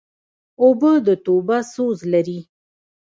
اوبه د توبه سوز لري.